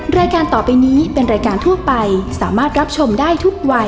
รายการต่อไปนี้เป็นรายการทั่วไปสามารถรับชมได้ทุกวัย